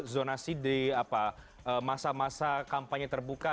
zonasi di masa masa kampanye terbuka